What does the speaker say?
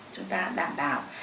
chúng ta đảm bảo